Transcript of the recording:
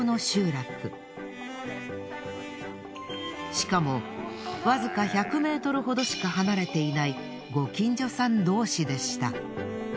しかもわずか１００ｍほどしか離れていないご近所さん同士でした。